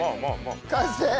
完成！